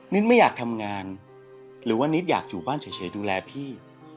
ไม่อยากทำงานหรือว่านิดอยากอยู่บ้านเฉยดูแลพี่